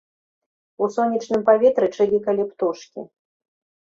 У сонечным паветры чылікалі птушкі.